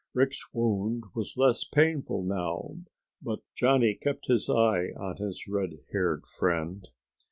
Rick's wound was less painful now, but Johnny kept his eye on his redhaired friend.